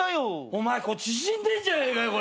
お前これ縮んでんじゃねえか！